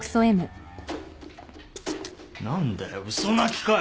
何だよ嘘泣きかよ！